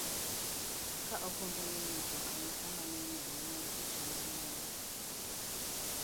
ka ogombo ni ng'ato ang'ata mane onene mondo otim ne ng'uono